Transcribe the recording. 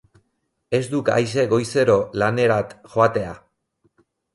Ez duk aise goizero lanerat joatea...